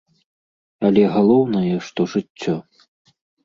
Але галоўнае, што жыццё.